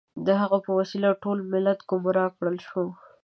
د هغوی په وسیله ټول ملت ګمراه کړل شو.